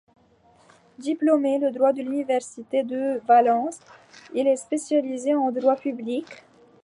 Diplômé de droit de l'Université de Valence, il est spécialisé en droit public.